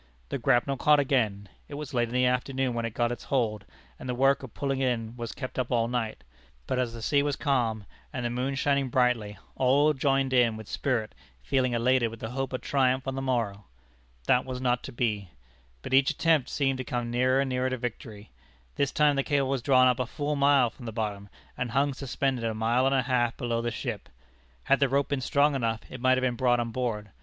The grapnel caught again. It was late in the afternoon when it got its hold, and the work of pulling in was kept up all night. But as the sea was calm and the moon shining brightly, all joined in it with spirit, feeling elated with the hope of triumph on the morrow. That was not to be; but each attempt seemed to come nearer and nearer to victory. This time the cable was drawn up a full mile from the bottom, and hung suspended a mile and a half below the ship. Had the rope been strong enough, it might have been brought on board.